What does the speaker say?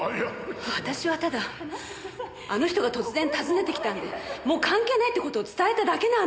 私はただあの人が突然訪ねてきたのでもう関係ないって事を伝えただけなんです！